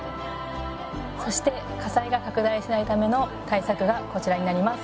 そして火災が拡大しないための対策がこちらになります。